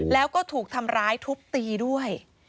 แล้วก็ถูกทำร้ายทุบตีด้วย